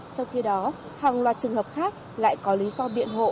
trong khi đó hàng loạt trường hợp khác lại có lý do